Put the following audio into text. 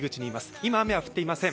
今、雨は降っていません。